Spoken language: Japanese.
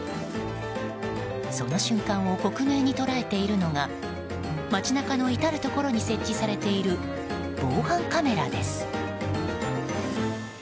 その瞬間を克明に捉えているのが街中の至るところに設置されている防犯カメラです。